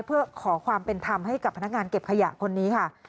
เพื่อขอความเป็นธรรมให้กับพนักงานเก็บขยะคนนี้ค่ะ